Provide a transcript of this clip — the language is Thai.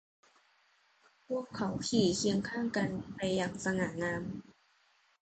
พวกเขาขี่เคียงข้างกันไปอย่างสง่างาม